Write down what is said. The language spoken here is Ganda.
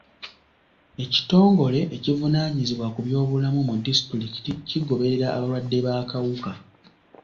Ekitongole ekivunaanyizibwa ku by'obulamu mu disitulikiti kigoberera abalwadde b'akawuka.